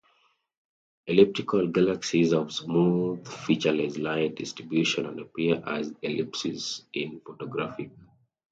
Elliptical galaxies have smooth, featureless light distributions and appear as ellipses in photographic images.